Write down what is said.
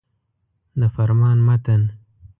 د فرمان متن.